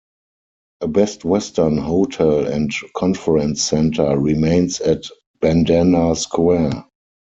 A Best Western hotel and conference center remains at Bandana Square.